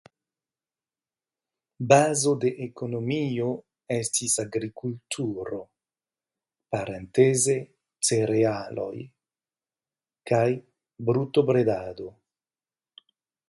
Bazo de ekonomio estis agrikulturo (cerealoj) kaj brutobredado.